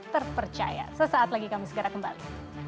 terpercaya sesaat lagi kami segera kembali